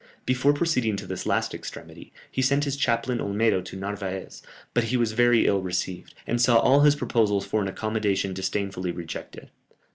Before proceeding to this last extremity, he sent his chaplain Olmedo to Narvaez, but he was very ill received, and saw all his proposals for an accommodation disdainfully rejected.